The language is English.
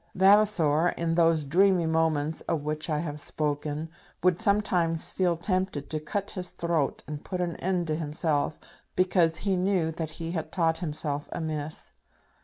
Vavasor, in those dreamy moments of which I have spoken, would sometimes feel tempted to cut his throat and put an end to himself, because he knew that he had taught himself amiss.